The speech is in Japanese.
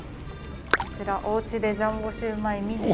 こちら「おうちでジャンボシウマイｍｉｎｉ」です。